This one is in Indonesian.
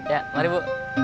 ya mari bu